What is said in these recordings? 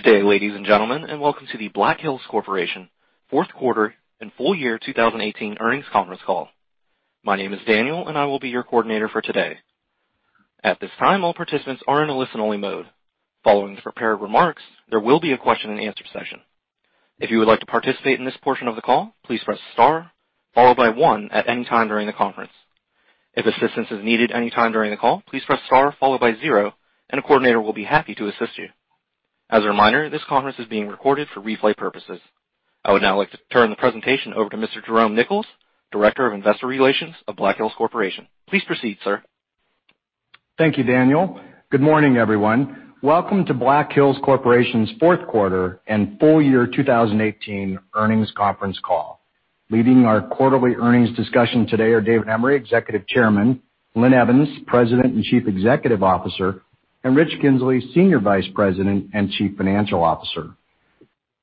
Good day, ladies and gentlemen, welcome to the Black Hills Corporation fourth quarter and full year 2018 earnings conference call. My name is Daniel, and I will be your coordinator for today. At this time, all participants are in a listen-only mode. Following the prepared remarks, there will be a question and answer session. If you would like to participate in this portion of the call, please press star followed by one at any time during the conference. If assistance is needed any time during the call, please press star followed by zero, and a coordinator will be happy to assist you. As a reminder, this conference is being recorded for replay purposes. I would now like to turn the presentation over to Mr. Jerome Nichols, Director of Investor Relations of Black Hills Corporation. Please proceed, sir. Thank you, Daniel. Good morning, everyone. Welcome to Black Hills Corporation's fourth quarter and full year 2018 earnings conference call. Leading our quarterly earnings discussion today are David Emery, Executive Chairman; Linn Evans, President and Chief Executive Officer; and Rich Kinzley, Senior Vice President and Chief Financial Officer.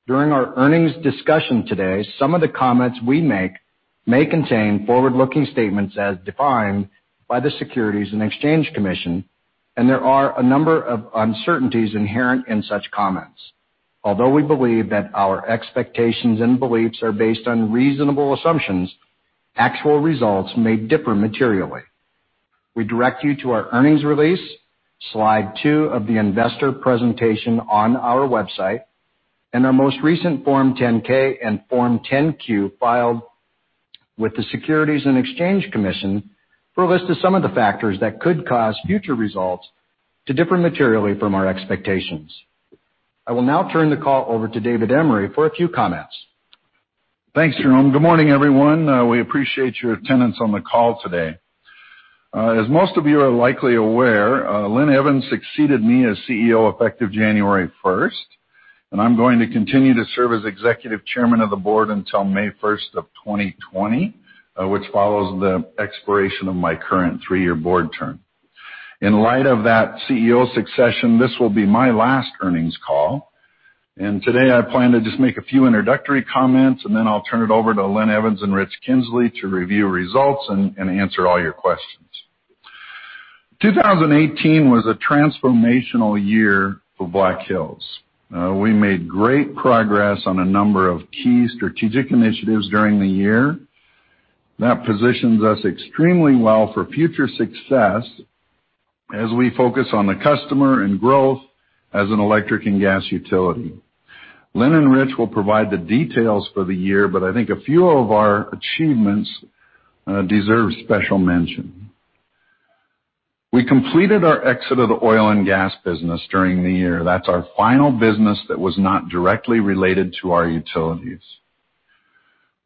During our earnings discussion today, some of the comments we make may contain forward-looking statements as defined by the Securities and Exchange Commission, and there are a number of uncertainties inherent in such comments. Although we believe that our expectations and beliefs are based on reasonable assumptions, actual results may differ materially. We direct you to our earnings release, slide two of the investor presentation on our website, and our most recent Form 10-K and Form 10-Q filed with the Securities and Exchange Commission for a list of some of the factors that could cause future results to differ materially from our expectations. I will now turn the call over to David Emery for a few comments. Thanks, Jerome. Good morning, everyone. We appreciate your attendance on the call today. As most of you are likely aware, Linn Evans succeeded me as CEO effective January 1st, and I'm going to continue to serve as Executive Chairman of the Board until May 1st of 2020, which follows the expiration of my current three-year board term. In light of that CEO succession, this will be my last earnings call. Today I plan to just make a few introductory comments, and then I'll turn it over to Linn Evans and Rich Kinzley to review results and answer all your questions. 2018 was a transformational year for Black Hills. We made great progress on a number of key strategic initiatives during the year that positions us extremely well for future success as we focus on the customer and growth as an electric and gas utility. Linn and Rich will provide the details for the year, but I think a few of our achievements deserve special mention. We completed our exit of the oil and gas business during the year. That's our final business that was not directly related to our utilities.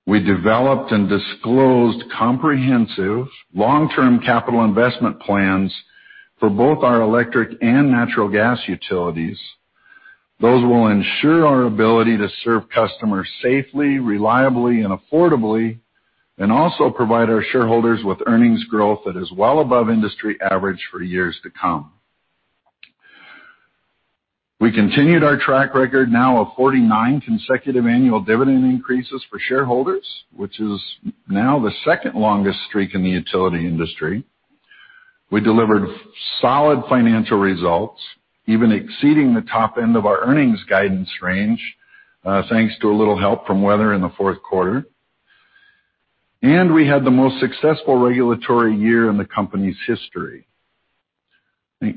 We developed and disclosed comprehensive long-term capital investment plans for both our electric and natural gas utilities. Those will ensure our ability to serve customers safely, reliably, and affordably and also provide our shareholders with earnings growth that is well above industry average for years to come. We continued our track record now of 49 consecutive annual dividend increases for shareholders, which is now the second longest streak in the utility industry. We delivered solid financial results, even exceeding the top end of our earnings guidance range, thanks to a little help from weather in the fourth quarter. We had the most successful regulatory year in the company's history.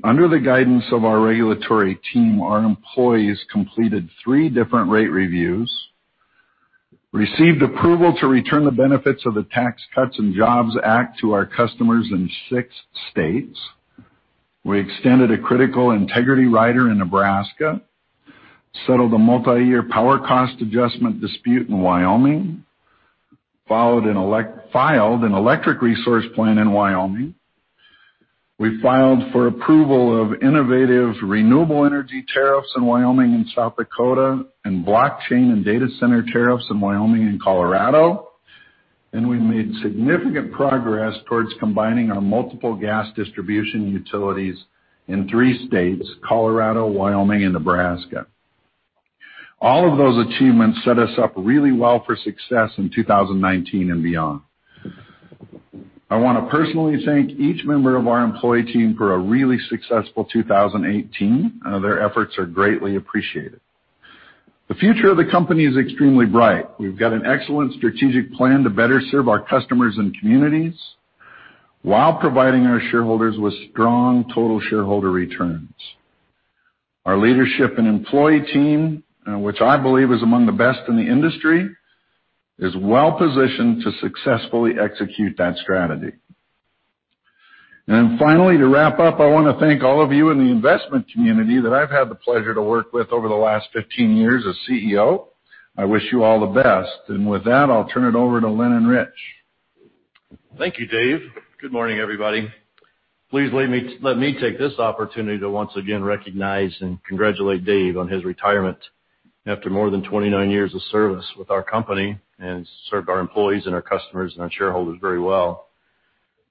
Under the guidance of our regulatory team, our employees completed three different rate reviews, received approval to return the benefits of the Tax Cuts and Jobs Act to our customers in six states. We extended a critical integrity rider in Nebraska, settled a multi-year power cost adjustment dispute in Wyoming, filed an electric resource plan in Wyoming. We filed for approval of innovative renewable energy tariffs in Wyoming and South Dakota and blockchain and data center tariffs in Wyoming and Colorado. We made significant progress towards combining our multiple gas distribution utilities in three states, Colorado, Wyoming, and Nebraska. All of those achievements set us up really well for success in 2019 and beyond. I want to personally thank each member of our employee team for a really successful 2018. Their efforts are greatly appreciated. The future of the company is extremely bright. We've got an excellent strategic plan to better serve our customers and communities while providing our shareholders with strong total shareholder returns. Our leadership and employee team, which I believe is among the best in the industry, is well-positioned to successfully execute that strategy. Finally, to wrap up, I want to thank all of you in the investment community that I've had the pleasure to work with over the last 15 years as CEO. I wish you all the best. With that, I'll turn it over to Linn and Rich. Thank you, Dave. Good morning, everybody. Please let me take this opportunity to once again recognize and congratulate Dave on his retirement after more than 29 years of service with our company and served our employees and our customers and our shareholders very well.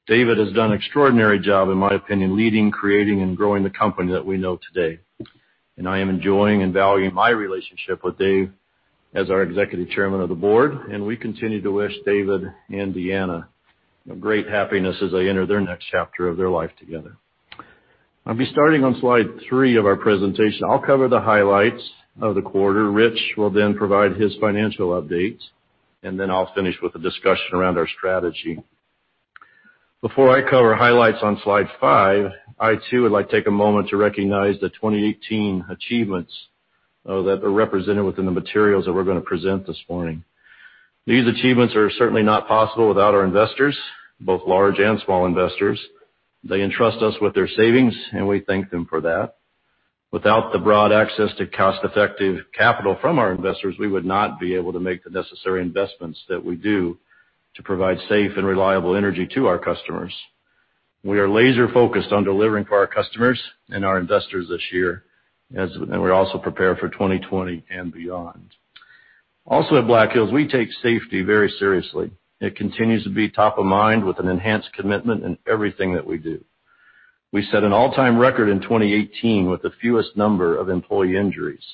David has done extraordinary job, in my opinion, leading, creating, and growing the company that we know today. I am enjoying and valuing my relationship with Dave as our Executive Chairman of the Board, and we continue to wish David and Deanna. great happiness as they enter their next chapter of their life together. I'll be starting on slide three of our presentation. I'll cover the highlights of the quarter. Rich will provide his financial updates. I'll finish with a discussion around our strategy. Before I cover highlights on slide five, I too would like to take a moment to recognize the 2018 achievements that are represented within the materials that we're going to present this morning. These achievements are certainly not possible without our investors, both large and small investors. They entrust us with their savings. We thank them for that. Without the broad access to cost-effective capital from our investors, we would not be able to make the necessary investments that we do to provide safe and reliable energy to our customers. We are laser-focused on delivering for our customers and our investors this year. We're also prepared for 2020 and beyond. At Black Hills, we take safety very seriously. It continues to be top of mind with an enhanced commitment in everything that we do. We set an all-time record in 2018 with the fewest number of employee injuries.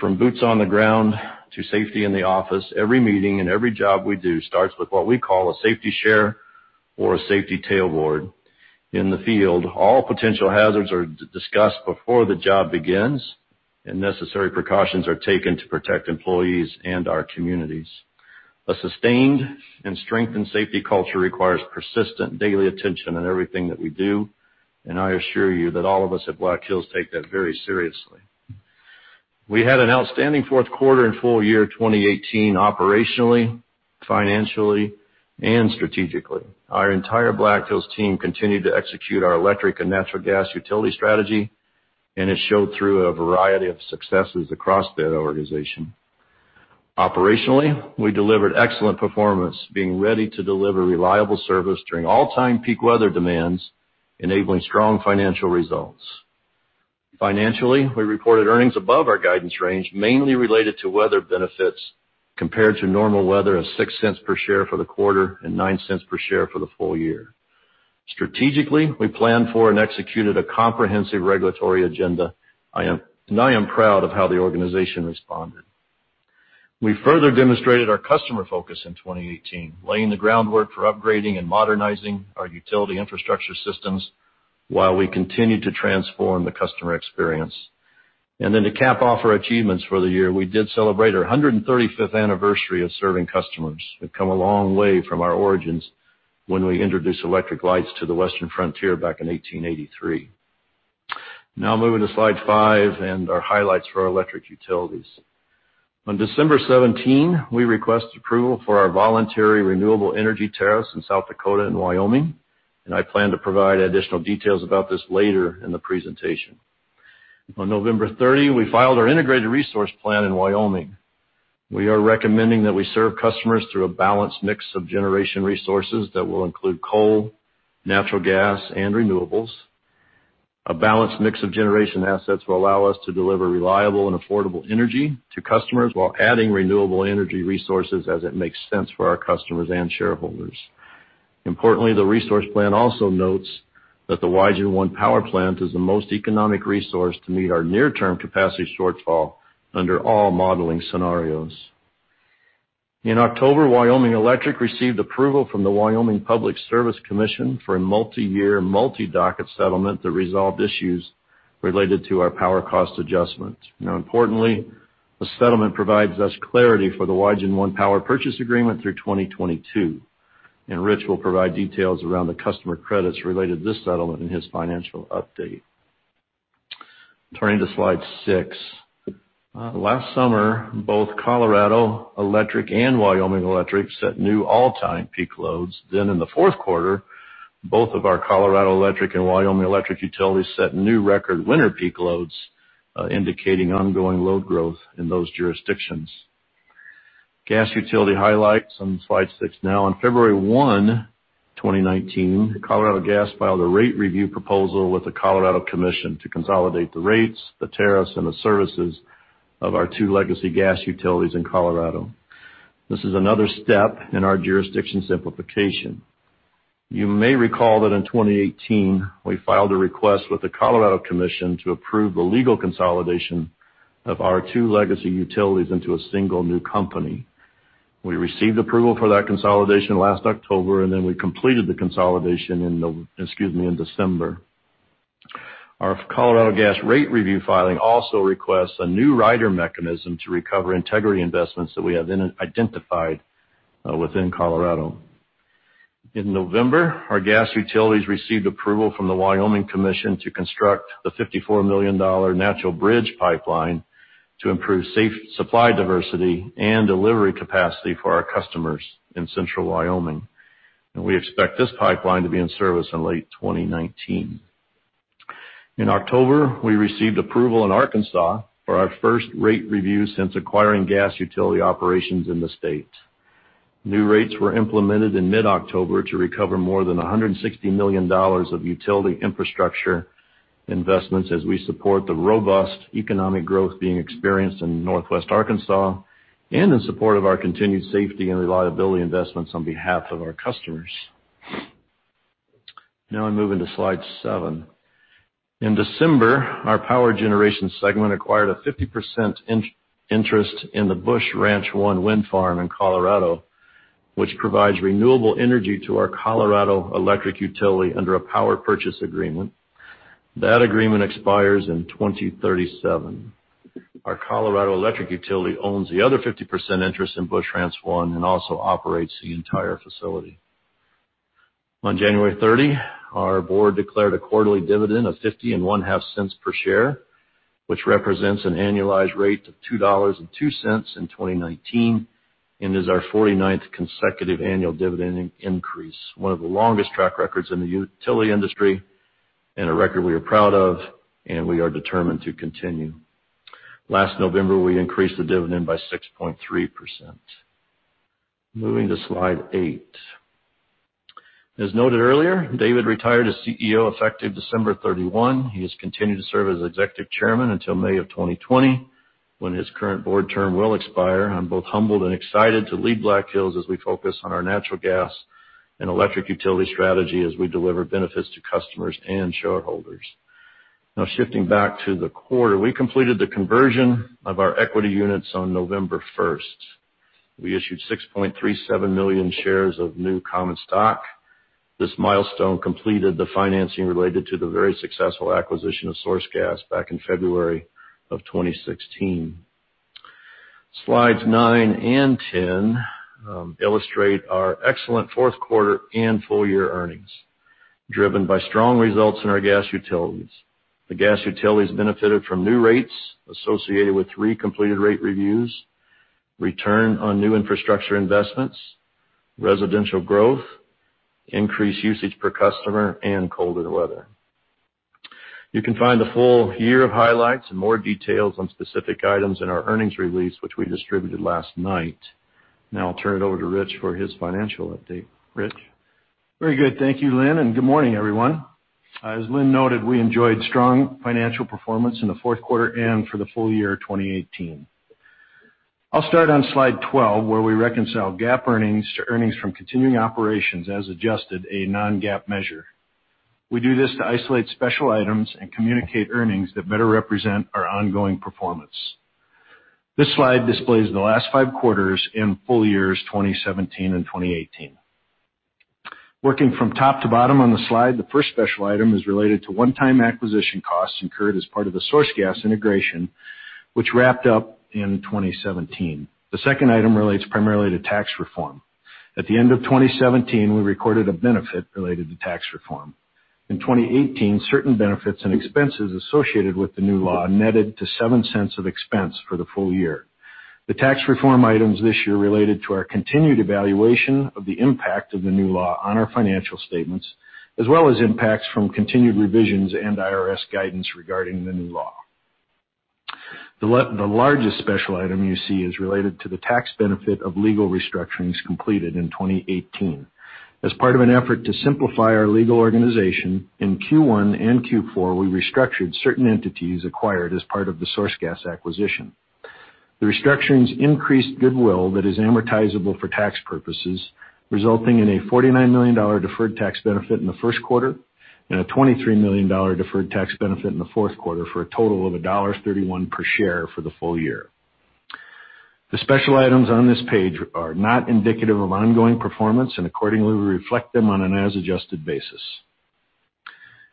From boots on the ground to safety in the office, every meeting and every job we do starts with what we call a safety share or a safety tailboard. In the field, all potential hazards are discussed before the job begins. Necessary precautions are taken to protect employees and our communities. A sustained and strengthened safety culture requires persistent daily attention in everything that we do. I assure you that all of us at Black Hills take that very seriously. We had an outstanding fourth quarter and full year 2018 operationally, financially, and strategically. Our entire Black Hills team continued to execute our electric and natural gas utility strategy. It showed through a variety of successes across the organization. Operationally, we delivered excellent performance, being ready to deliver reliable service during all-time peak weather demands, enabling strong financial results. Financially, we reported earnings above our guidance range, mainly related to weather benefits compared to normal weather of $0.06 per share for the quarter and $0.09 per share for the full year. Strategically, we planned for and executed a comprehensive regulatory agenda. I am proud of how the organization responded. We further demonstrated our customer focus in 2018, laying the groundwork for upgrading and modernizing our utility infrastructure systems while we continued to transform the customer experience. To cap off our achievements for the year, we did celebrate our 135th anniversary of serving customers. We've come a long way from our origins when we introduced electric lights to the Western frontier back in 1883. Moving to slide five and our highlights for our electric utilities. On December 17, we requested approval for our voluntary renewable energy tariffs in South Dakota and Wyoming. I plan to provide additional details about this later in the presentation. On November 30, we filed our integrated resource plan in Wyoming. We are recommending that we serve customers through a balanced mix of generation resources that will include coal, natural gas, and renewables. A balanced mix of generation assets will allow us to deliver reliable and affordable energy to customers while adding renewable energy resources as it makes sense for our customers and shareholders. Importantly, the resource plan also notes that the Wygen I power plant is the most economic resource to meet our near-term capacity shortfall under all modeling scenarios. In October, Wyoming Electric received approval from the Wyoming Public Service Commission for a multi-year, multi-docket settlement that resolved issues related to our power cost adjustment. Importantly, the settlement provides us clarity for the Wygen I power purchase agreement through 2022. Rich Kinzley will provide details around the customer credits related to this settlement in his financial update. Turning to slide six. Last summer, both Colorado Electric and Wyoming Electric set new all-time peak loads. In the fourth quarter, both of our Colorado Electric and Wyoming Electric utilities set new record winter peak loads, indicating ongoing load growth in those jurisdictions. Gas utility highlights on slide six now. On February 1, 2019, Colorado Gas filed a rate review proposal with the Colorado Commission to consolidate the rates, the tariffs, and the services of our two legacy gas utilities in Colorado. This is another step in our jurisdiction simplification. You may recall that in 2018, we filed a request with the Colorado Commission to approve the legal consolidation of our two legacy utilities into a single new company. We received approval for that consolidation last October, and we completed the consolidation in December. Our Colorado Gas rate review filing also requests a new rider mechanism to recover integrity investments that we have identified within Colorado. In November, our gas utilities received approval from the Wyoming Commission to construct the $54 million Natural Bridge Pipeline to improve supply diversity and delivery capacity for our customers in central Wyoming. We expect this pipeline to be in service in late 2019. In October, we received approval in Arkansas for our first rate review since acquiring gas utility operations in the state. New rates were implemented in mid-October to recover more than $160 million of utility infrastructure investments as we support the robust economic growth being experienced in Northwest Arkansas and in support of our continued safety and reliability investments on behalf of our customers. I move into slide seven. In December, our power generation segment acquired a 50% interest in the Busch Ranch I wind farm in Colorado, which provides renewable energy to our Colorado electric utility under a power purchase agreement. That agreement expires in 2037. Our Colorado electric utility owns the other 50% interest in Busch Ranch I and also operates the entire facility. On January 30, our board declared a quarterly dividend of $0.505 per share, which represents an annualized rate of $2.02 in 2019 and is our 49th consecutive annual dividend increase, one of the longest track records in the utility industry, a record we are proud of and we are determined to continue. Last November, we increased the dividend by 6.3%. Moving to slide eight. As noted earlier, David retired as CEO effective December 31. He has continued to serve as Executive Chairman until May of 2020, when his current board term will expire. I'm both humbled and excited to lead Black Hills as we focus on our natural gas and electric utility strategy as we deliver benefits to customers and shareholders. Shifting back to the quarter. We completed the conversion of our equity units on November 1st. We issued 6.37 million shares of new common stock. This milestone completed the financing related to the very successful acquisition of SourceGas back in February of 2016. Slides nine and 10 illustrate our excellent fourth quarter and full year earnings, driven by strong results in our gas utilities. The gas utilities benefited from new rates associated with three completed rate reviews, return on new infrastructure investments, residential growth, increased usage per customer, and colder weather. You can find the full year of highlights and more details on specific items in our earnings release, which we distributed last night. I'll turn it over to Rich for his financial update. Rich? Very good. Thank you, Linn, and good morning, everyone. As Linn noted, we enjoyed strong financial performance in the fourth quarter and for the full year 2018. I'll start on slide 12, where we reconcile GAAP earnings to earnings from continuing operations as adjusted, a non-GAAP measure. We do this to isolate special items and communicate earnings that better represent our ongoing performance. This slide displays the last five quarters and full years 2017 and 2018. Working from top to bottom on the slide, the first special item is related to one-time acquisition costs incurred as part of the SourceGas integration, which wrapped up in 2017. The second item relates primarily to tax reform. At the end of 2017, we recorded a benefit related to tax reform. In 2018, certain benefits and expenses associated with the new law netted to $0.07 of expense for the full year. The tax reform items this year related to our continued evaluation of the impact of the new law on our financial statements, as well as impacts from continued revisions and IRS guidance regarding the new law. The largest special item you see is related to the tax benefit of legal restructurings completed in 2018. As part of an effort to simplify our legal organization, in Q1 and Q4, we restructured certain entities acquired as part of the SourceGas acquisition. The restructurings increased goodwill that is amortizable for tax purposes, resulting in a $49 million deferred tax benefit in the first quarter and a $23 million deferred tax benefit in the fourth quarter for a total of $1.31 per share for the full year. The special items on this page are not indicative of ongoing performance, and accordingly, we reflect them on an as-adjusted basis.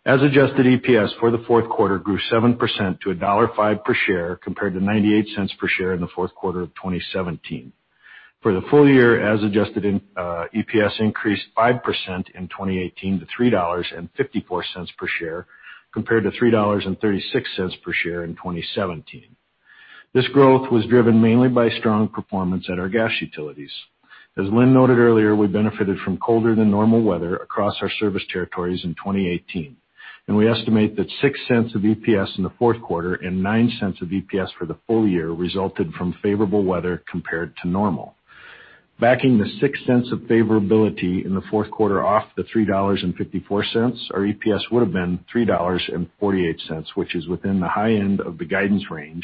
As-adjusted EPS for the fourth quarter grew 7% to $1.05 per share, compared to $0.98 per share in the fourth quarter of 2017. For the full year, as adjusted, EPS increased 5% in 2018 to $3.54 per share, compared to $3.36 per share in 2017. This growth was driven mainly by strong performance at our gas utilities. As Linn noted earlier, we benefited from colder than normal weather across our service territories in 2018, and we estimate that $0.06 of EPS in the fourth quarter and $0.09 of EPS for the full year resulted from favorable weather compared to normal. Backing the $0.06 of favorability in the fourth quarter off the $3.54, our EPS would have been $3.48, which is within the high end of the guidance range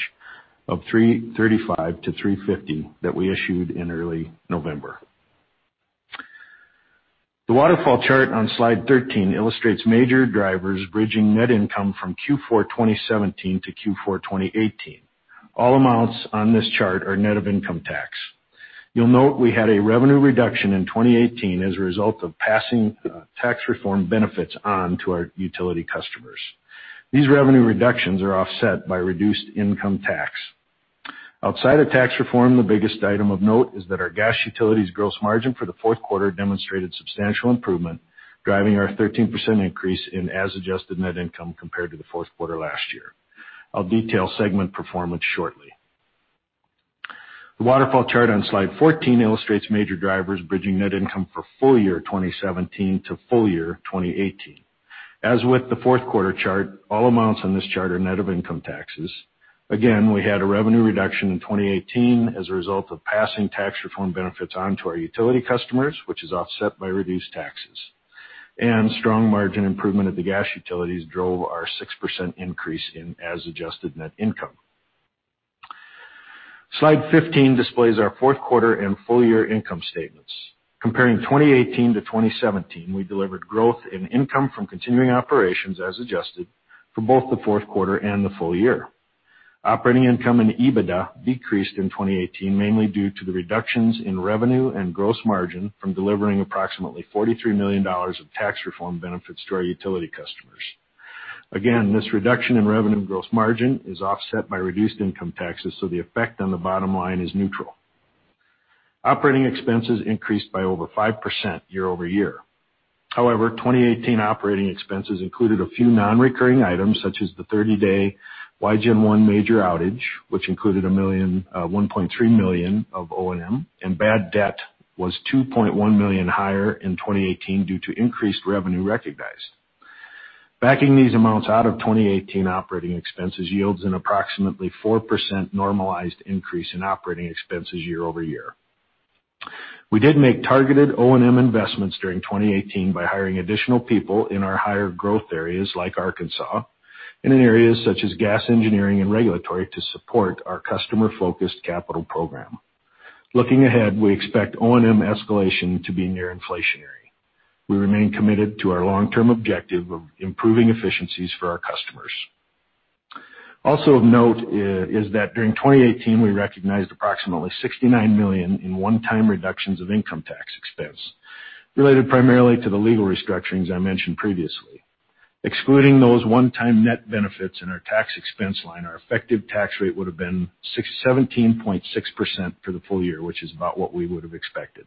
of $3.35 to $3.50 that we issued in early November. The waterfall chart on slide 13 illustrates major drivers bridging net income from Q4 2017 to Q4 2018. All amounts on this chart are net of income tax. You'll note we had a revenue reduction in 2018 as a result of passing Tax Reform benefits on to our utility customers. These revenue reductions are offset by reduced income tax. Outside of Tax Reform, the biggest item of note is that our gas utilities gross margin for the fourth quarter demonstrated substantial improvement, driving our 13% increase in as-adjusted net income compared to the fourth quarter last year. I'll detail segment performance shortly. The waterfall chart on slide 14 illustrates major drivers bridging net income for full year 2017 to full year 2018. As with the fourth quarter chart, all amounts on this chart are net of income taxes. Strong margin improvement at the gas utilities drove our 6% increase in as-adjusted net income. Slide 15 displays our fourth quarter and full year income statements. Comparing 2018 to 2017, we delivered growth in income from continuing operations as adjusted for both the fourth quarter and the full year. Operating income and EBITDA decreased in 2018, mainly due to the reductions in revenue and gross margin from delivering approximately $43 million of Tax Reform benefits to our utility customers. Again, this reduction in revenue and gross margin is offset by reduced income taxes, so the effect on the bottom line is neutral. Operating expenses increased by over 5% year-over-year. 2018 operating expenses included a few non-recurring items such as the 30-day Wygen I major outage, which included $1.3 million of O&M, and bad debt was $2.1 million higher in 2018 due to increased revenue recognized. Backing these amounts out of 2018 operating expenses yields an approximately 4% normalized increase in operating expenses year-over-year. We did make targeted O&M investments during 2018 by hiring additional people in our higher growth areas like Arkansas, and in areas such as gas engineering and regulatory to support our customer-focused capital program. Looking ahead, we expect O&M escalation to be near inflationary. We remain committed to our long-term objective of improving efficiencies for our customers. Also of note is that during 2018, we recognized approximately $69 million in one-time reductions of income tax expense, related primarily to the legal restructurings I mentioned previously. Excluding those one-time net benefits in our tax expense line, our effective tax rate would have been 17.6% for the full year, which is about what we would have expected.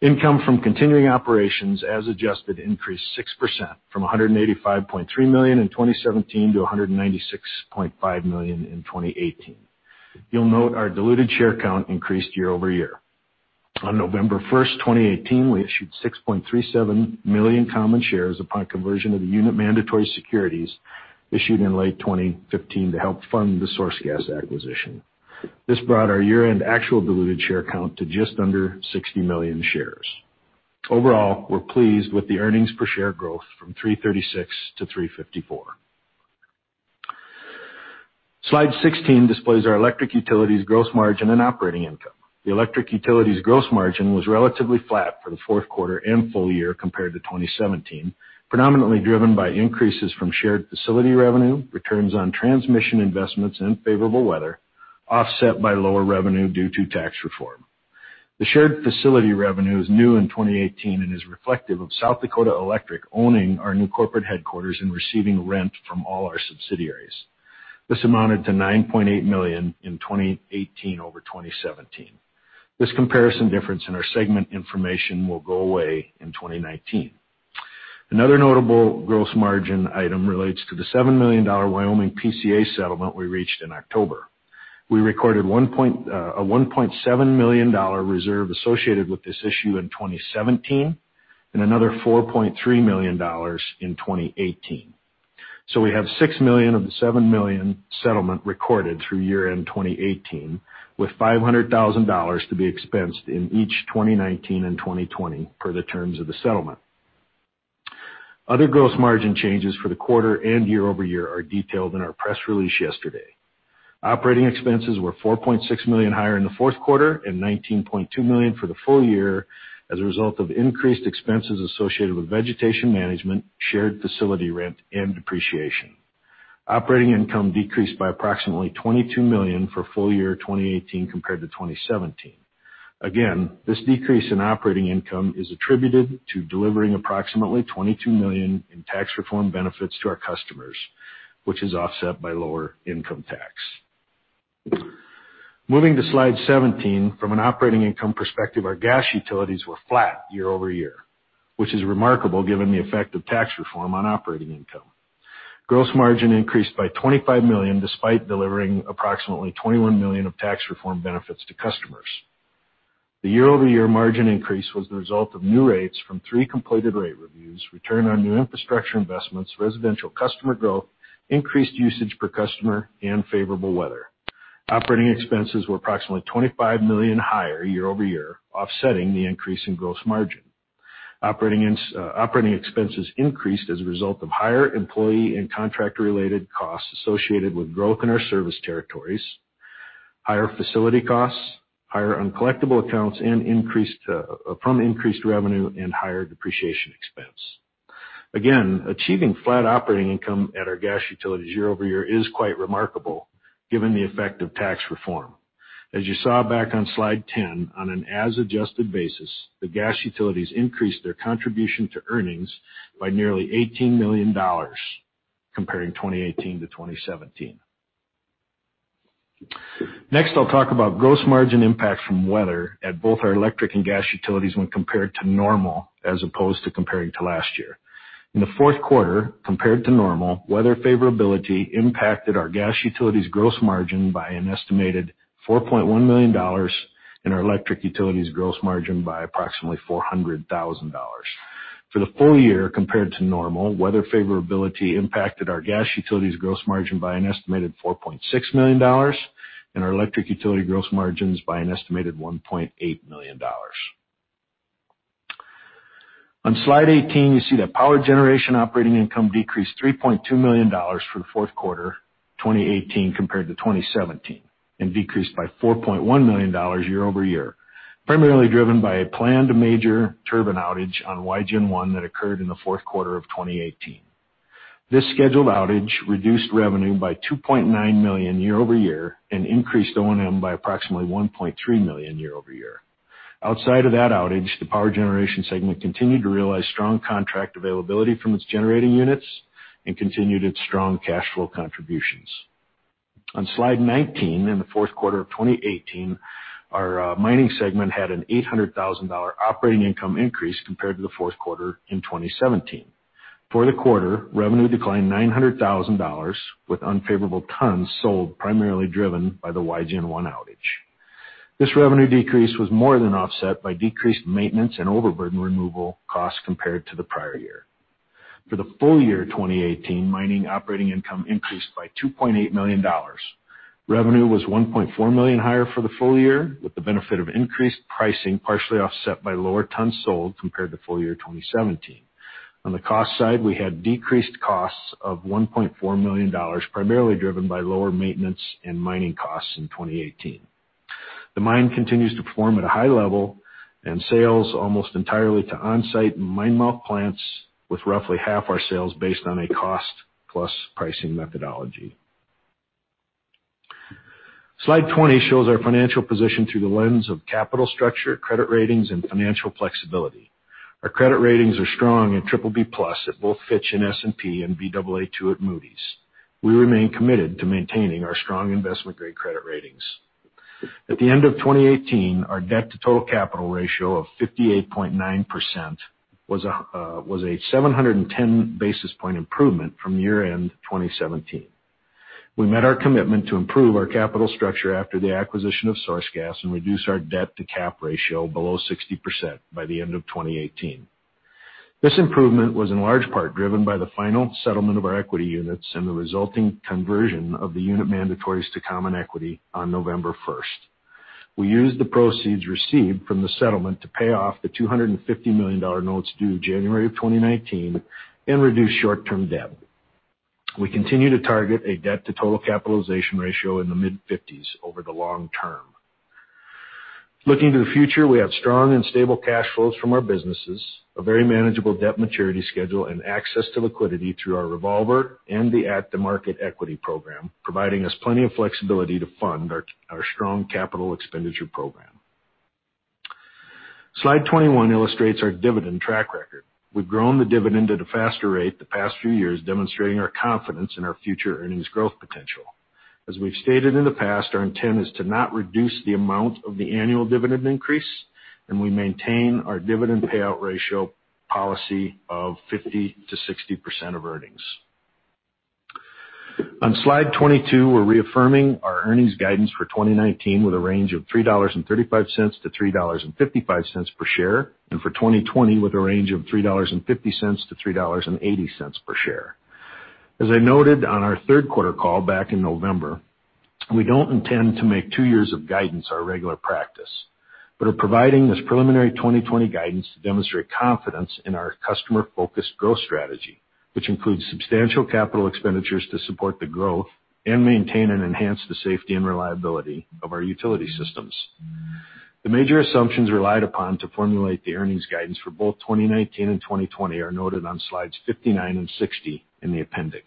Income from continuing operations as adjusted increased 6%, from $185.3 million in 2017 to $196.5 million in 2018. You'll note our diluted share count increased year-over-year. On November 1st, 2018, we issued 6.37 million common shares upon conversion of the unit mandatory securities issued in late 2015 to help fund the SourceGas acquisition. This brought our year-end actual diluted share count to just under 60 million shares. Overall, we're pleased with the earnings per share growth from $3.36 to $3.54. Slide 16 displays our electric utilities' gross margin and operating income. The electric utilities' gross margin was relatively flat for the fourth quarter and full year compared to 2017, predominantly driven by increases from shared facility revenue, returns on transmission investments, and favorable weather, offset by lower revenue due to tax reform. The shared facility revenue is new in 2018 and is reflective of South Dakota Electric owning our new corporate headquarters and receiving rent from all our subsidiaries. This amounted to $9.8 million in 2018 over 2017. This comparison difference in our segment information will go away in 2019. Another notable gross margin item relates to the $7 million Wyoming PCA settlement we reached in October. We recorded a $1.7 million reserve associated with this issue in 2017, and another $4.3 million in 2018. We have $6 million of the $7 million settlement recorded through year-end 2018, with $500,000 to be expensed in each 2019 and 2020 per the terms of the settlement. Other gross margin changes for the quarter and year-over-year are detailed in our press release yesterday. Operating expenses were $4.6 million higher in the fourth quarter and $19.2 million for the full year as a result of increased expenses associated with vegetation management, shared facility rent, and depreciation. Operating income decreased by approximately $22 million for full year 2018 compared to 2017. Again, this decrease in operating income is attributed to delivering approximately $22 million in tax reform benefits to our customers, which is offset by lower income tax. Moving to slide 17, from an operating income perspective, our gas utilities were flat year-over-year, which is remarkable given the effect of tax reform on operating income. Gross margin increased by $25 million despite delivering approximately $21 million of tax reform benefits to customers. The year-over-year margin increase was the result of new rates from three completed rate reviews, return on new infrastructure investments, residential customer growth, increased usage per customer, and favorable weather. Operating expenses were approximately $25 million higher year-over-year, offsetting the increase in gross margin. Operating expenses increased as a result of higher employee and contract-related costs associated with growth in our service territories, higher facility costs, higher uncollectible accounts from increased revenue, and higher depreciation expense. Again, achieving flat operating income at our gas utilities year-over-year is quite remarkable given the effect of tax reform. As you saw back on slide 10, on an as-adjusted basis, the gas utilities increased their contribution to earnings by nearly $18 million comparing 2018 to 2017. I'll talk about gross margin impact from weather at both our electric and gas utilities when compared to normal as opposed to comparing to last year. In the fourth quarter, compared to normal, weather favorability impacted our gas utilities' gross margin by an estimated $4.1 million and our electric utilities' gross margin by approximately $400,000. For the full year, compared to normal, weather favorability impacted our gas utilities' gross margin by an estimated $4.6 million and our electric utility gross margins by an estimated $1.8 million. On slide 18, you see that power generation operating income decreased $3.2 million for the fourth quarter 2018 compared to 2017, and decreased by $4.1 million year-over-year, primarily driven by a planned major turbine outage on Wygen I that occurred in the fourth quarter of 2018. This scheduled outage reduced revenue by $2.9 million year-over-year and increased O&M by approximately $1.3 million year-over-year. Outside of that outage, the power generation segment continued to realize strong contract availability from its generating units and continued its strong cash flow contributions. On slide 19, in the fourth quarter of 2018, our mining segment had an $800,000 operating income increase compared to the fourth quarter in 2017. For the quarter, revenue declined $900,000, with unfavorable tons sold primarily driven by the Wygen I outage. This revenue decrease was more than offset by decreased maintenance and overburden removal costs compared to the prior year. For the full year 2018, mining operating income increased by $2.8 million. Revenue was $1.4 million higher for the full year, with the benefit of increased pricing partially offset by lower tons sold compared to full year 2017. On the cost side, we had decreased costs of $1.4 million, primarily driven by lower maintenance and mining costs in 2018. The mine continues to perform at a high level and sales almost entirely to onsite mine mouth plants, with roughly half our sales based on a cost-plus pricing methodology. Slide 20 shows our financial position through the lens of capital structure, credit ratings, and financial flexibility. Our credit ratings are strong at BBB+ at both Fitch and S&P and Baa2 at Moody's. We remain committed to maintaining our strong investment-grade credit ratings. At the end of 2018, our debt to total capital ratio of 58.9% was a 710 basis point improvement from year-end 2017. We met our commitment to improve our capital structure after the acquisition of SourceGas and reduce our debt to cap ratio below 60% by the end of 2018. This improvement was in large part driven by the final settlement of our equity units and the resulting conversion of the unit mandatories to common equity on November 1st. We used the proceeds received from the settlement to pay off the $250 million notes due January of 2019 and reduce short-term debt. We continue to target a debt to total capitalization ratio in the mid-50s over the long term. Looking to the future, we have strong and stable cash flows from our businesses, a very manageable debt maturity schedule, and access to liquidity through our revolver and the at-the-market equity program, providing us plenty of flexibility to fund our strong capital expenditure program. Slide 21 illustrates our dividend track record. We've grown the dividend at a faster rate the past few years, demonstrating our confidence in our future earnings growth potential. We've stated in the past, our intent is to not reduce the amount of the annual dividend increase, and we maintain our dividend payout ratio policy of 50%-60% of earnings. Slide 22, we're reaffirming our earnings guidance for 2019 with a range of $3.35-$3.55 per share, and for 2020 with a range of $3.50-$3.80 per share. I noted on our third quarter call back in November, we don't intend to make two years of guidance our regular practice, but are providing this preliminary 2020 guidance to demonstrate confidence in our customer-focused growth strategy, which includes substantial capital expenditures to support the growth and maintain and enhance the safety and reliability of our utility systems. The major assumptions relied upon to formulate the earnings guidance for both 2019 and 2020 are noted on slides 59 and 60 in the appendix.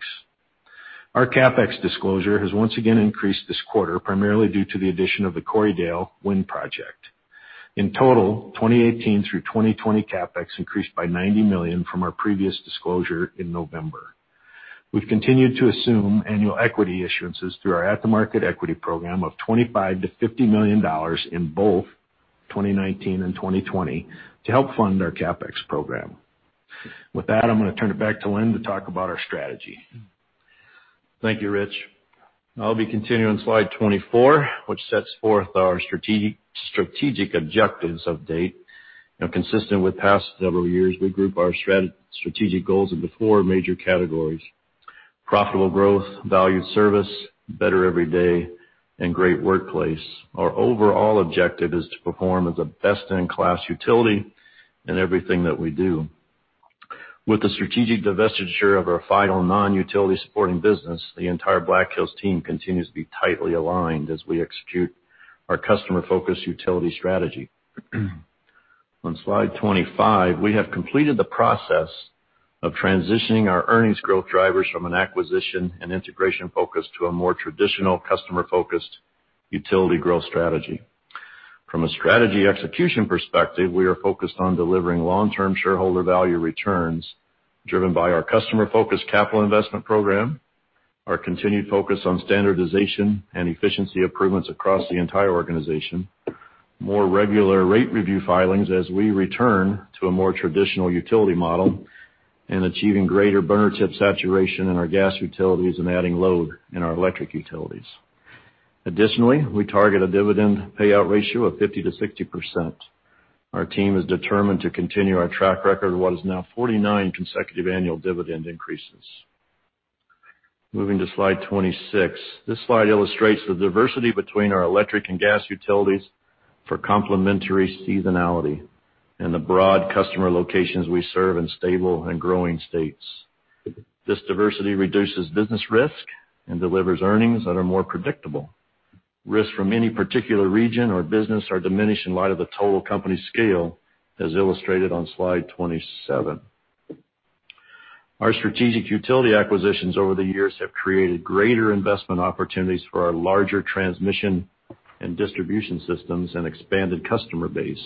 Our CapEx disclosure has once again increased this quarter, primarily due to the addition of the Corriedale wind project. In total, 2018 through 2020 CapEx increased by $90 million from our previous disclosure in November. We've continued to assume annual equity issuances through our at-the-market equity program of $25 million-$50 million in both 2019 and 2020 to help fund our CapEx program. With that, I'm going to turn it back to Linn to talk about our strategy. Thank you, Rich. I'll be continuing slide 24, which sets forth our strategic objectives update. Consistent with past several years, we group our strategic goals into 4 major categories: profitable growth, valued service, better every day, and great workplace. Our overall objective is to perform as a best-in-class utility in everything that we do. With the strategic divestiture of our final non-utility supporting business, the entire Black Hills team continues to be tightly aligned as we execute our customer-focused utility strategy. On slide 25, we have completed the process of transitioning our earnings growth drivers from an acquisition and integration focus to a more traditional customer-focused utility growth strategy. From a strategy execution perspective, we are focused on delivering long-term shareholder value returns driven by our customer-focused capital investment program, our continued focus on standardization and efficiency improvements across the entire organization, more regular rate review filings as we return to a more traditional utility model, and achieving greater burner tip saturation in our gas utilities and adding load in our electric utilities. Additionally, we target a dividend payout ratio of 50%-60%. Our team is determined to continue our track record of what is now 49 consecutive annual dividend increases. Moving to slide 26. This slide illustrates the diversity between our electric and gas utilities for complementary seasonality and the broad customer locations we serve in stable and growing states. This diversity reduces business risk and delivers earnings that are more predictable. Risks from any particular region or business are diminished in light of the total company scale, as illustrated on slide 27. Our strategic utility acquisitions over the years have created greater investment opportunities for our larger transmission and distribution systems and expanded customer base.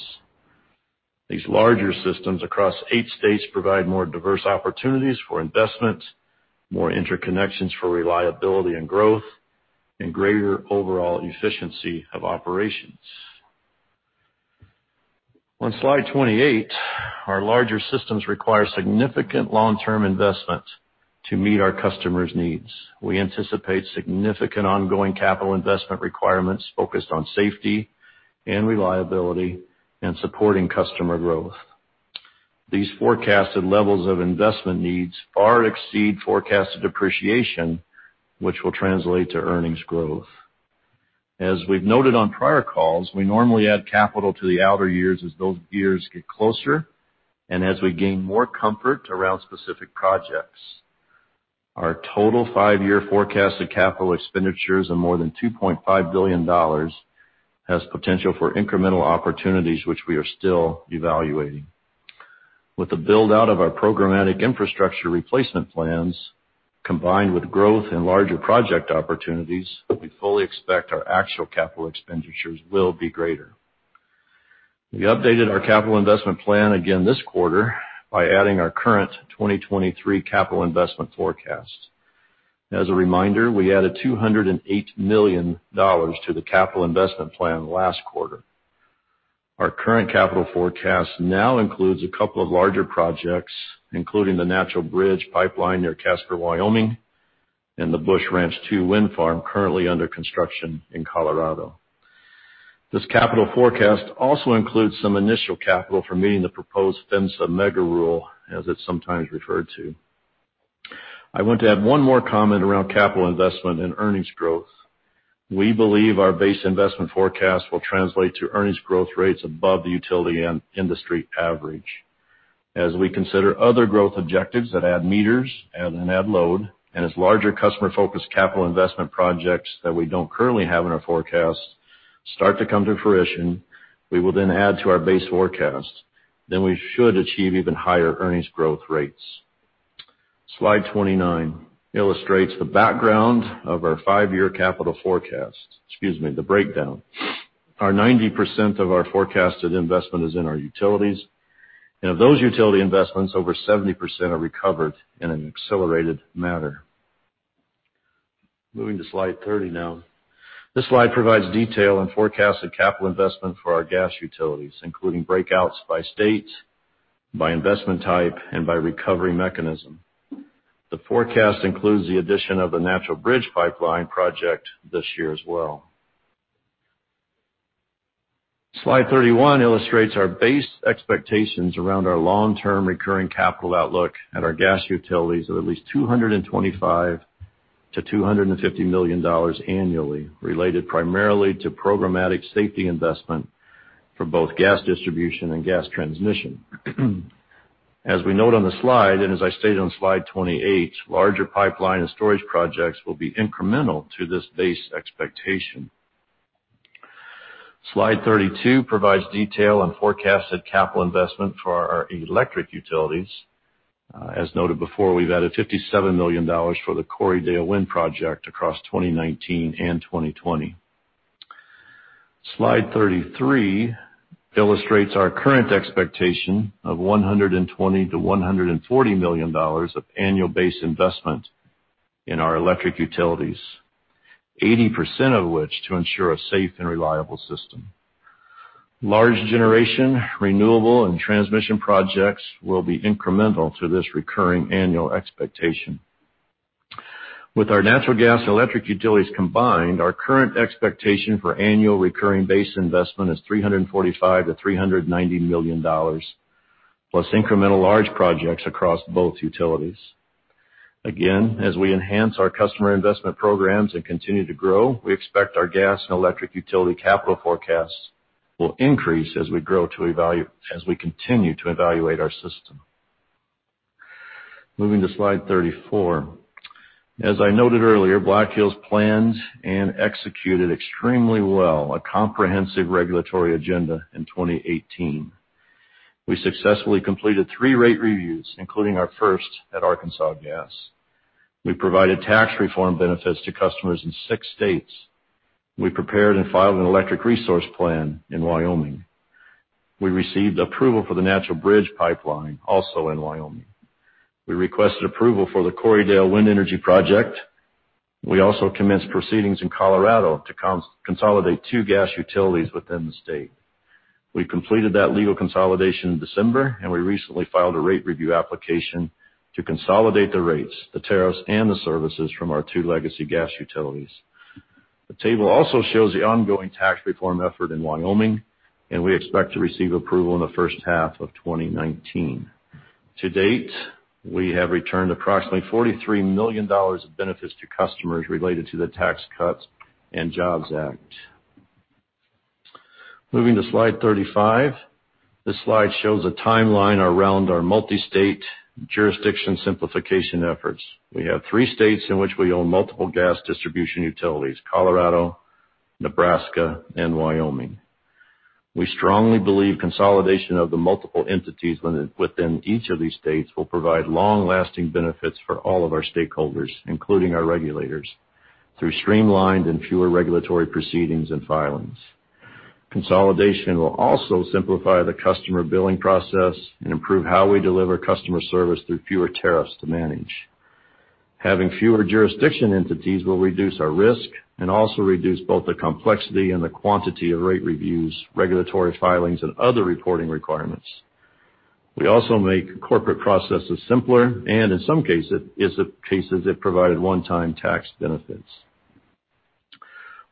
These larger systems across eight states provide more diverse opportunities for investment, more interconnections for reliability and growth, and greater overall efficiency of operations. On slide 28, our larger systems require significant long-term investment to meet our customers' needs. We anticipate significant ongoing capital investment requirements focused on safety and reliability and supporting customer growth. These forecasted levels of investment needs far exceed forecasted depreciation, which will translate to earnings growth. As we've noted on prior calls, we normally add capital to the outer years as those years get closer, and as we gain more comfort around specific projects. Our total five-year forecast of capital expenditures of more than $2.5 billion has potential for incremental opportunities, which we are still evaluating. With the build-out of our programmatic infrastructure replacement plans, combined with growth and larger project opportunities, we fully expect our actual capital expenditures will be greater. We updated our capital investment plan again this quarter by adding our current 2023 capital investment forecast. As a reminder, we added $208 million to the capital investment plan last quarter. Our current capital forecast now includes a couple of larger projects, including the Natural Bridge Pipeline near Casper, Wyoming, and the Busch Ranch II wind farm, currently under construction in Colorado. This capital forecast also includes some initial capital for meeting the proposed PHMSA mega rule, as it's sometimes referred to. I want to add one more comment around capital investment and earnings growth. We believe our base investment forecast will translate to earnings growth rates above the utility industry average. As we consider other growth objectives that add meters and add load, as larger customer-focused capital investment projects that we don't currently have in our forecast start to come to fruition, we will then add to our base forecast. We should achieve even higher earnings growth rates. Slide 29 illustrates the background of our five-year capital forecast. Excuse me, the breakdown. Our 90% of our forecasted investment is in our utilities, and of those utility investments, over 70% are recovered in an accelerated manner. Moving to slide 30 now. This slide provides detail on forecasted capital investment for our gas utilities, including breakouts by state, by investment type, and by recovery mechanism. The forecast includes the addition of the Natural Bridge Pipeline project this year as well. Slide 31 illustrates our base expectations around our long-term recurring capital outlook at our gas utilities of at least $225 million-$250 million annually, related primarily to programmatic safety investment for both gas distribution and gas transmission. As we note on the slide, and as I stated on slide 28, larger pipeline and storage projects will be incremental to this base expectation. Slide 32 provides detail on forecasted capital investment for our electric utilities. As noted before, we've added $57 million for the Corriedale Wind project across 2019 and 2020. Slide 33 illustrates our current expectation of $120 million-$140 million of annual base investment in our electric utilities, 80% of which to ensure a safe and reliable system. Large generation, renewable, and transmission projects will be incremental to this recurring annual expectation. With our natural gas and electric utilities combined, our current expectation for annual recurring base investment is $345 million-$390 million, plus incremental large projects across both utilities. Again, as we enhance our customer investment programs and continue to grow, we expect our gas and electric utility capital forecasts will increase as we continue to evaluate our system. Moving to slide 34. As I noted earlier, Black Hills planned and executed extremely well a comprehensive regulatory agenda in 2018. We successfully completed three rate reviews, including our first at Arkansas Gas. We provided tax reform benefits to customers in six states. We prepared and filed an electric resource plan in Wyoming. We received approval for the Natural Bridge Pipeline, also in Wyoming. We requested approval for the Corriedale Wind Energy Project. We also commenced proceedings in Colorado to consolidate two gas utilities within the state. We completed that legal consolidation in December. We recently filed a rate review application to consolidate the rates, the tariffs, and the services from our two legacy gas utilities. The table also shows the ongoing tax reform effort in Wyoming, and we expect to receive approval in the first half of 2019. To date, we have returned approximately $43 million of benefits to customers related to the Tax Cuts and Jobs Act. Moving to slide 35. This slide shows a timeline around our multi-state jurisdiction simplification efforts. We have three states in which we own multiple gas distribution utilities, Colorado, Nebraska, and Wyoming. We strongly believe consolidation of the multiple entities within each of these states will provide long-lasting benefits for all of our stakeholders, including our regulators, through streamlined and fewer regulatory proceedings and filings. Consolidation will also simplify the customer billing process and improve how we deliver customer service through fewer tariffs to manage. Having fewer jurisdiction entities will reduce our risk and also reduce both the complexity and the quantity of rate reviews, regulatory filings, and other reporting requirements. We also make corporate processes simpler, and in some cases, it provided one-time tax benefits.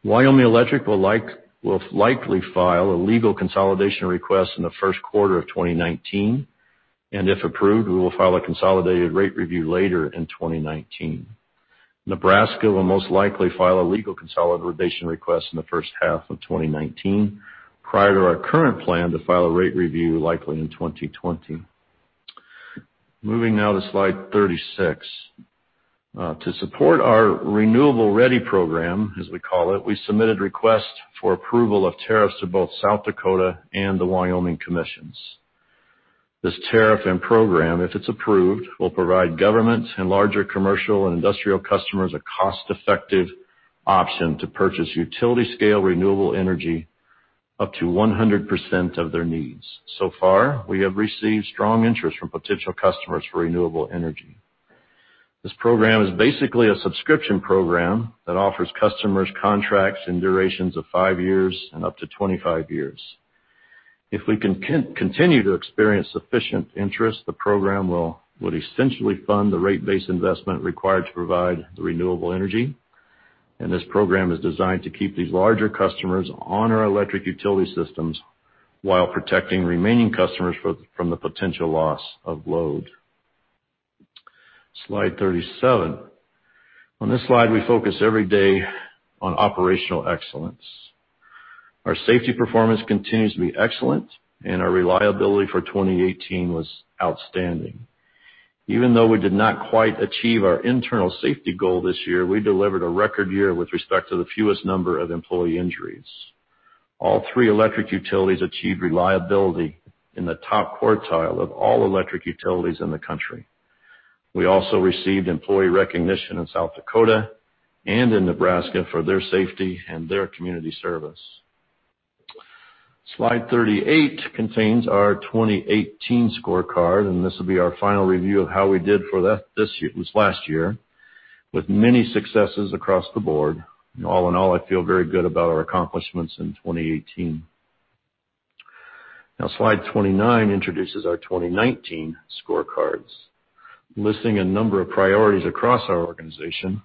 Wyoming Electric will likely file a legal consolidation request in the first quarter of 2019, and if approved, we will file a consolidated rate review later in 2019. Nebraska will most likely file a legal consolidation request in the first half of 2019, prior to our current plan to file a rate review likely in 2020. Moving now to slide 36. To support our Renewable Ready program, as we call it, we submitted requests for approval of tariffs to both South Dakota and the Wyoming commissions. This tariff and program, if it's approved, will provide governments and larger commercial and industrial customers a cost-effective option to purchase utility-scale renewable energy up to 100% of their needs. So far, we have received strong interest from potential customers for renewable energy. This program is basically a subscription program that offers customers contracts in durations of five years and up to 25 years. If we can continue to experience sufficient interest, the program would essentially fund the rate base investment required to provide the renewable energy, and this program is designed to keep these larger customers on our electric utility systems while protecting remaining customers from the potential loss of load. Slide 37. On this slide, we focus every day on operational excellence. Our safety performance continues to be excellent, and our reliability for 2018 was outstanding. Even though we did not quite achieve our internal safety goal this year, we delivered a record year with respect to the fewest number of employee injuries. All three electric utilities achieved reliability in the top quartile of all electric utilities in the country. We also received employee recognition in South Dakota and in Nebraska for their safety and their community service. Slide 38 contains our 2018 scorecard. This will be our final review of how we did for last year, with many successes across the board. All in all, I feel very good about our accomplishments in 2018. Slide 39 introduces our 2019 scorecards, listing a number of priorities across our organization.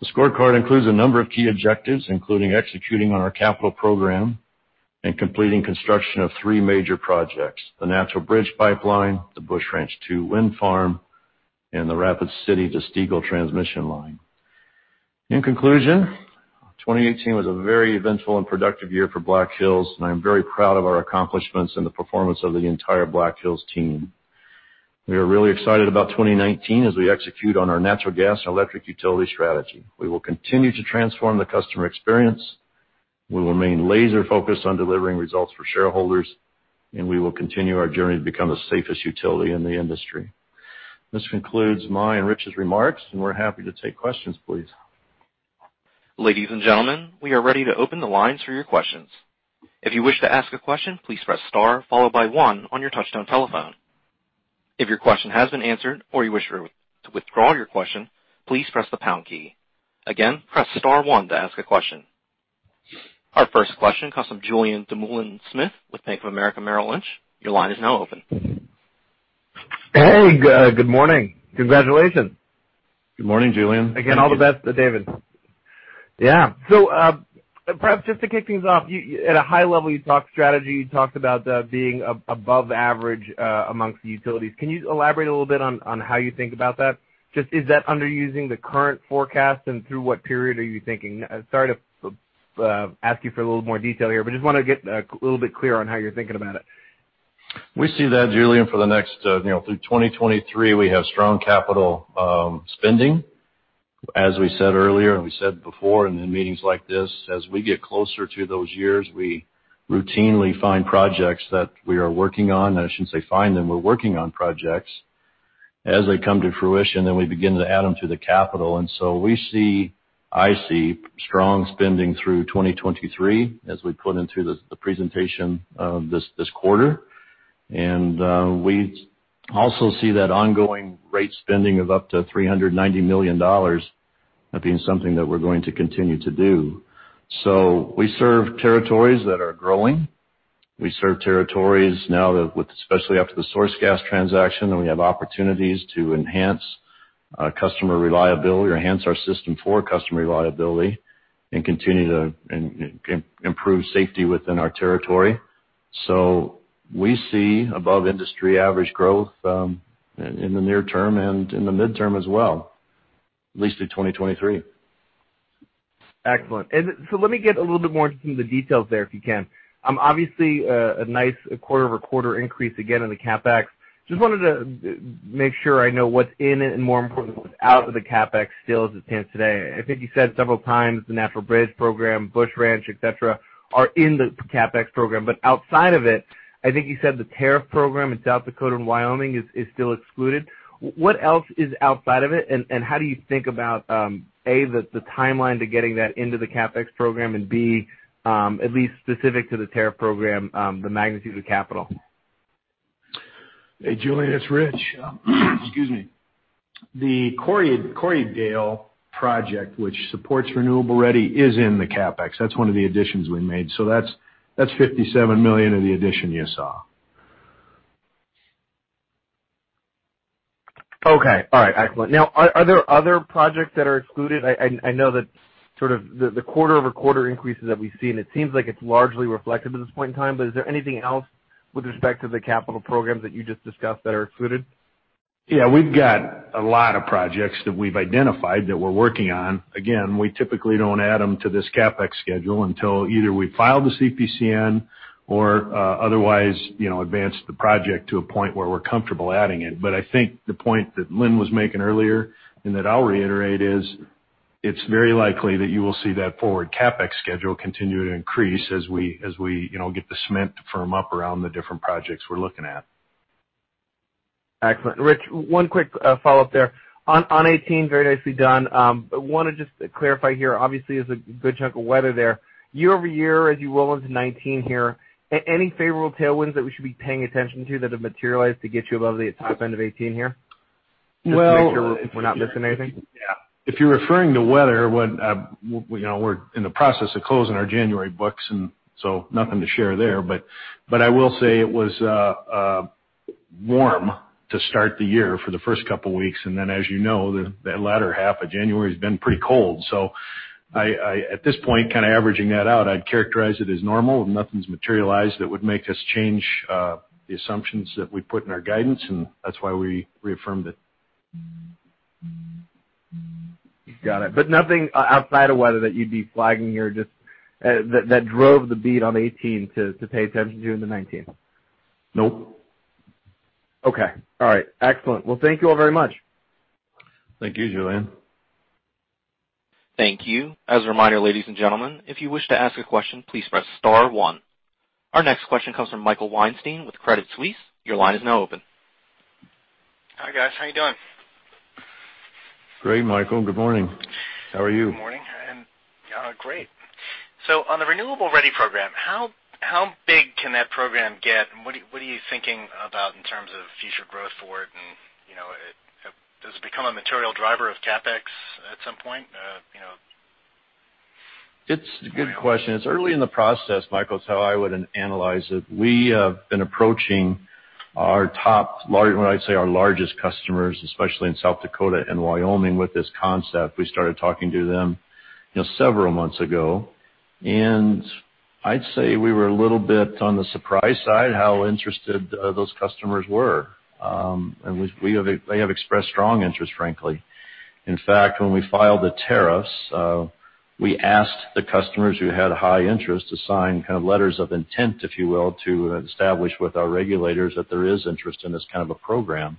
The scorecard includes a number of key objectives, including executing on our capital program and completing construction of three major projects, the Natural Bridge Pipeline, the Busch Ranch II wind farm, and the Rapid City to Stegall transmission line. In conclusion, 2018 was a very eventful and productive year for Black Hills, and I am very proud of our accomplishments and the performance of the entire Black Hills team. We are really excited about 2019 as we execute on our natural gas and electric utility strategy. We will continue to transform the customer experience, we will remain laser-focused on delivering results for shareholders, and we will continue our journey to become the safest utility in the industry. This concludes my and Rich's remarks, and we're happy to take questions, please. Ladies and gentlemen, we are ready to open the lines for your questions. If you wish to ask a question, please press star followed by one on your touch-tone telephone. If your question has been answered or you wish to withdraw your question, please press the pound key. Again, press star one to ask a question. Our first question comes from Julien Dumoulin-Smith with Bank of America Merrill Lynch. Your line is now open. Hey. Good morning. Congratulations. Good morning, Julien. Thank you. Again, all the best to David. Yeah. Perhaps just to kick things off, at a high level, you talked strategy, about being above average amongst the utilities. Can you elaborate a little bit on how you think about that? Just is that under using the current forecast, and through what period are you thinking? Sorry to ask you for a little more detail here, just want to get a little bit clearer on how you're thinking about it. We see that, Julien, Through 2023, we have strong capital spending. As we said earlier, we said before in meetings like this, as we get closer to those years, we routinely find projects that we are working on. I shouldn't say find them, we're working on projects. As they come to fruition, we begin to add them to the capital. We see, I see strong spending through 2023, as we put into the presentation this quarter. We also see that ongoing rate spending of up to $390 million being something that we're going to continue to do. We serve territories that are growing We serve territories now that with, especially after the SourceGas transaction, we have opportunities to enhance our customer reliability or enhance our system for customer reliability and continue to improve safety within our territory. We see above-industry average growth in the near term and in the midterm as well, at least through 2023. Excellent. Let me get a little bit more into the details there, if you can. Obviously, a nice quarter-over-quarter increase again in the CapEx. Just wanted to make sure I know what's in it, and more importantly, what's out of the CapEx still as it stands today. I think you said several times the Natural Bridge program, Busch Ranch, et cetera, are in the CapEx program. Outside of it, I think you said the tariff program in South Dakota and Wyoming is still excluded. What else is outside of it? How do you think about, A, the timeline to getting that into the CapEx program and, B, at least specific to the tariff program, the magnitude of capital? Hey, Julien, it's Rich. Excuse me. The Corriedale project, which supports Renewable Ready, is in the CapEx. That's one of the additions we made. That's $57 million of the addition you saw. Okay. All right. Excellent. Are there other projects that are excluded? I know that the quarter-over-quarter increases that we've seen, it seems like it's largely reflective at this point in time. Is there anything else with respect to the capital programs that you just discussed that are excluded? We've got a lot of projects that we've identified that we're working on. Again, we typically don't add them to this CapEx schedule until either we file the CPCN or otherwise advance the project to a point where we're comfortable adding it. I think the point that Linn was making earlier and that I'll reiterate is, it's very likely that you will see that forward CapEx schedule continue to increase as we get the cement to firm up around the different projects we're looking at. Excellent. Rich, one quick follow-up there. On 2018, very nicely done. I want to just clarify here, obviously, there's a good chunk of weather there. Year-over-year, as you roll into 2019 here, any favorable tailwinds that we should be paying attention to that have materialized to get you above the top end of 2018 here? Well- Just to make sure we're not missing anything. Yeah. If you're referring to weather, we're in the process of closing our January books, nothing to share there. I will say it was warm to start the year for the first couple of weeks. As you know, the latter half of January has been pretty cold. At this point, kind of averaging that out, I'd characterize it as normal. Nothing's materialized that would make us change the assumptions that we put in our guidance, and that's why we reaffirmed it. Got it. Nothing outside of weather that you'd be flagging here, just that drove the beat on 2018 to pay attention to in the 2019. Nope. Okay. All right. Excellent. Thank you all very much. Thank you, Julien. Thank you. As a reminder, ladies and gentlemen, if you wish to ask a question, please press star one. Our next question comes from Michael Weinstein with Credit Suisse. Your line is now open. Hi, guys. How are you doing? Great, Michael. Good morning. How are you? Good morning. I'm great. On the Renewable Ready program, how big can that program get? What are you thinking about in terms of future growth for it? Does it become a material driver of CapEx at some point? It's a good question. It's early in the process, Michael, is how I would analyze it. We have been approaching our top, I'd say our largest customers, especially in South Dakota and Wyoming, with this concept. We started talking to them several months ago. I'd say we were a little bit on the surprise side how interested those customers were. They have expressed strong interest, frankly. In fact, when we filed the tariffs, we asked the customers who had high interest to sign letters of intent, if you will, to establish with our regulators that there is interest in this kind of a program.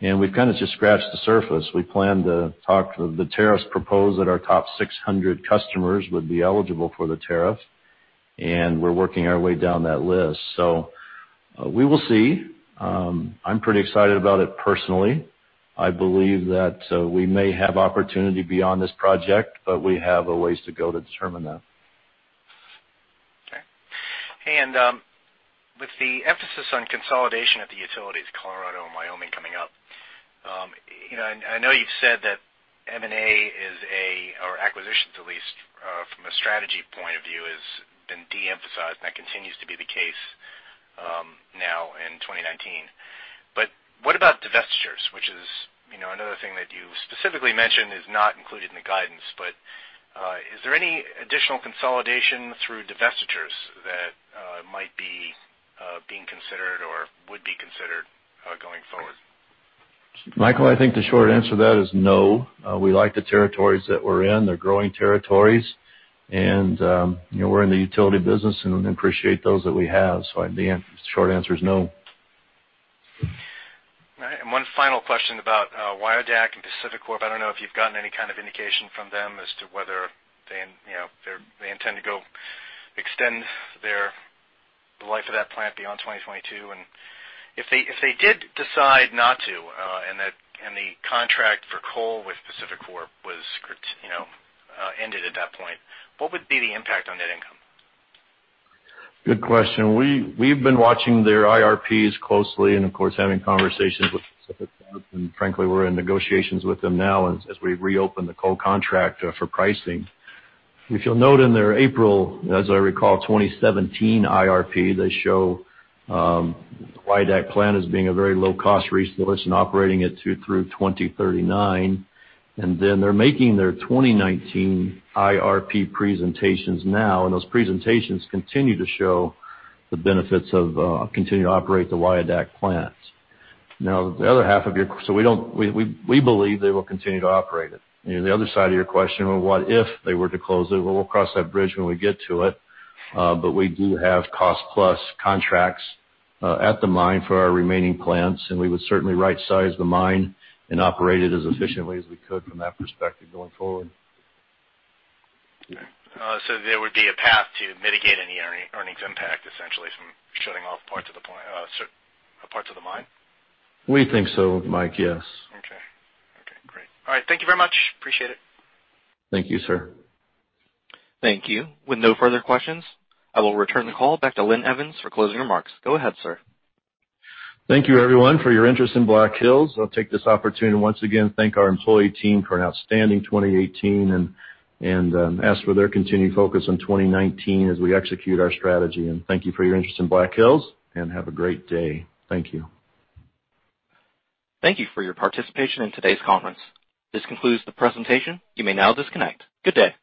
We've kind of just scratched the surface. We plan to talk to the tariffs proposed that our top 600 customers would be eligible for the tariff, and we're working our way down that list. We will see. I'm pretty excited about it personally. I believe that we may have opportunity beyond this project, we have a ways to go to determine that. Okay. With the emphasis on consolidation of the utilities, Colorado and Wyoming coming up, I know you've said that M&A or acquisitions at least from a strategy point of view has been de-emphasized, and that continues to be the case now in 2019. What about divestitures? Which is another thing that you specifically mentioned is not included in the guidance. Is there any additional consolidation through divestitures that might be being considered or would be considered going forward? Michael, I think the short answer to that is no. We like the territories that we're in. They're growing territories. We're in the utility business and appreciate those that we have. The short answer is no. All right. One final question about Wyodak and PacifiCorp. I don't know if you've gotten any kind of indication from them as to whether they intend to go extend the life of that plant beyond 2022. If they did decide not to, and the contract for coal with PacifiCorp ended at that point, what would be the impact on net income? Good question. We've been watching their IRPs closely and, of course, having conversations with PacifiCorp, and frankly, we're in negotiations with them now as we reopen the coal contract for pricing. If you'll note in their April, as I recall, 2017 IRP, they show Wyodak plant as being a very low-cost resource and operating it through 2039. Then they're making their 2019 IRP presentations now, and those presentations continue to show the benefits of continuing to operate the Wyodak plant. We believe they will continue to operate it. The other side of your question, well, what if they were to close it? We'll cross that bridge when we get to it. We do have cost-plus contracts at the mine for our remaining plants, and we would certainly rightsize the mine and operate it as efficiently as we could from that perspective going forward. Okay. There would be a path to mitigate any earnings impact, essentially, from shutting off parts of the mine? We think so, Mike, yes. Okay. Great. All right. Thank you very much. Appreciate it. Thank you, sir. Thank you. With no further questions, I will return the call back to Linn Evans for closing remarks. Go ahead, sir. Thank you, everyone, for your interest in Black Hills. I'll take this opportunity once again to thank our employee team for an outstanding 2018 and ask for their continued focus on 2019 as we execute our strategy. Thank you for your interest in Black Hills, and have a great day. Thank you. Thank you for your participation in today's conference. This concludes the presentation. You may now disconnect. Good day.